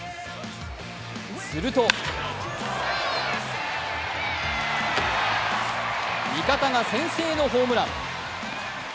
すると味方が先制のホームラン。